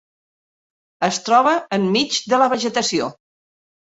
Es troba en mig de la vegetació.